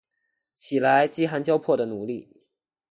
起来，饥寒交迫的奴隶！